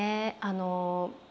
あの。